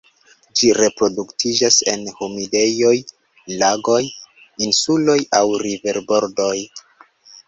Ĝi reproduktiĝas en humidejoj, lagoj, insuloj aŭ riverbordoj.